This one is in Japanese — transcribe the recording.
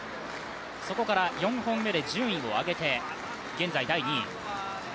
そこから４本目で順位を上げて現在第２位。